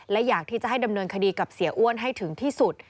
และอยากที่จะให้ดำเนินคดีกับเสียอ้วนให้ถึงที่สุด